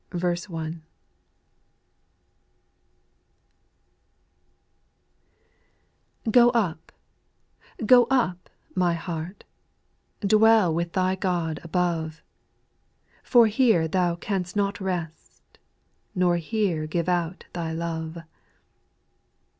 1* /^ O up, go up, my heart, VT Dwell with thy God above ; For here thou canst not rest, Nor here give out thy love.